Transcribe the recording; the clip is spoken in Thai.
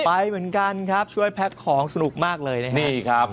ไปเหมือนกันครับช่วยแพ็คของสนุกมากเลยนะครับนี่ครับ